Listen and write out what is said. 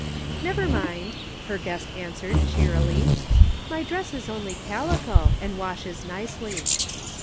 Never mind," her guest answered, cheerily ; "my dress is only calico, and washes nicely."